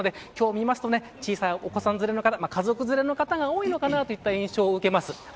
見ると小さなお子さん連れの方家族連れの方が多いのかなという印象です。